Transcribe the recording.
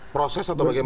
proses atau bagaimana